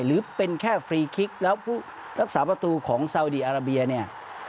หรือเป็นแค่ฟรีคิกแล้วผู้รักษาประตูของซาวดีอาราเบียเนี่ย